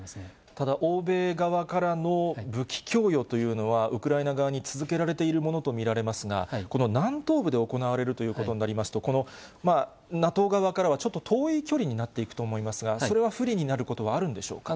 ただ、欧米側からの武器供与というのは、ウクライナ側に続けられているものと見られますが、この南東部で行われるということになりますと、このＮＡＴＯ側からはちょっと遠い距離なっていくと思いますが、それは不利になることはあるんでしょうか。